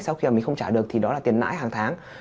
sau khi mà mình không trả được thì đó là tiền nãi hàng tháng